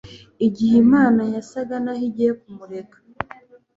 igihe Imana yasaga naho igiye kumureka;